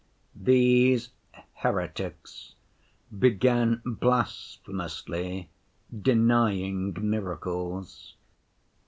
These heretics began blasphemously denying miracles.